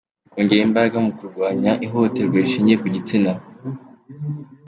Kongera imbaraga mu kurwanya ihohoterwa rishingiye ku gitsina.